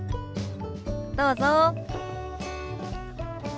どうぞ。